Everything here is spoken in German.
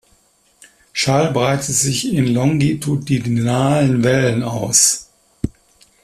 Schall breitet sich in longitudinalen Wellen aus.